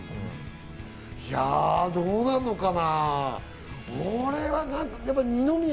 いや、どうなるのかな。